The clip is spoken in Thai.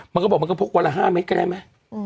มันก็บอกมันก็พกวันละ๕เมตรก็ได้ไหม